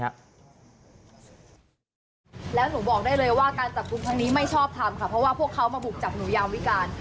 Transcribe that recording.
แล้วหนูบอกได้เลยว่าการจับกลุ่มครั้งนี้ไม่ชอบทำค่ะเพราะว่าพวกเขามาบุกจับหนูยามวิการ